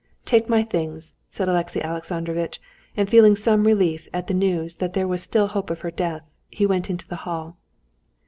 "Take my things," said Alexey Alexandrovitch, and feeling some relief at the news that there was still hope of her death, he went into the hall.